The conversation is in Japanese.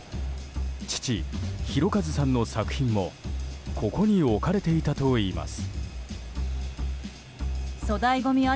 父・宏一さんの作品もここに置かれていたといいます。